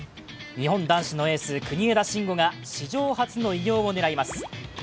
日本男子のエース・国枝慎吾が史上初の偉業を狙います。